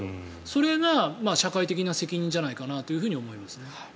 それが社会的な責任じゃないかなと思いますね。